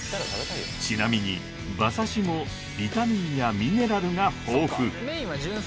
ちなみに馬刺しもビタミンやミネラルが豊富！